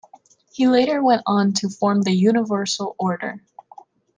He later went on to form the Universal Order.